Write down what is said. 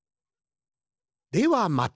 ではまた！